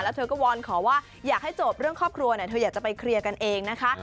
แล้วเธอก็วอนขอว่าอยากให้จบเรื่องครอบครัวเธออยากจะไปเคลียร์กันเองนะคะ